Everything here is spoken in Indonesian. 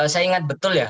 saya ingat betul ya